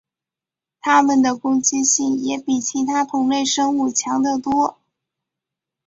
它们的攻击性也比其他同类生物强得多。